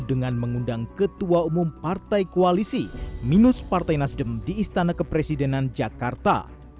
dengan mengundang ketua umum partai koalisi minus partai nasdem di istana kepresidenan jakarta